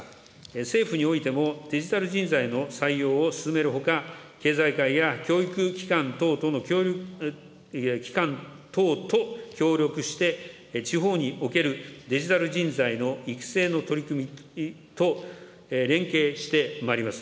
政府においても、デジタル人材の採用を進めるほか、経済界や教育機関等との協力して、地方におけるデジタル人材の育成の取り組みと連携してまいります。